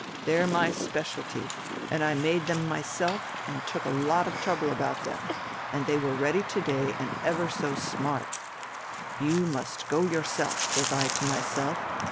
They're my speciality, and I made them myself and took a lot of trouble about them, and they were ready to day and ever so smart. 'You must go yourself,' says I to myself....